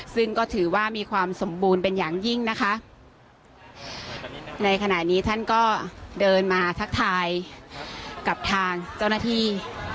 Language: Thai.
ซึ่งก็ถือว่ามีความสมบูรณ์เป็นอย่างยิ่งนะคะในขณะนี้ท่านก็เดินมาทักทายกับทางเจ้าหน้าที่